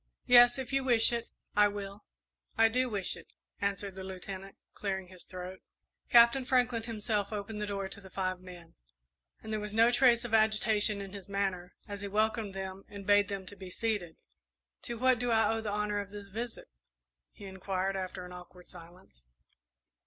"Yes; if you wish it, I will." "I do wish it," answered the Lieutenant, clearing his throat. Captain Franklin himself opened the door to the five men, and there was no trace of agitation in his manner as he welcomed them and bade them be seated. "To what do I owe the honour of this visit?" he inquired, after an awkward silence.